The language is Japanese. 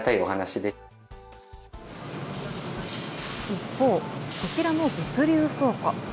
一方、こちらの物流倉庫。